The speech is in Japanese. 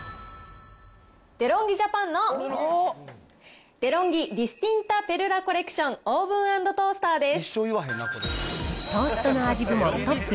デロンギ・ジャパンのデロンギディスティンタぺルラコレクションオーブン＆トースターです。